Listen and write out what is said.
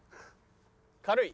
軽い！